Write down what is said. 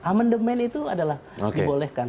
amendement itu adalah dibolehkan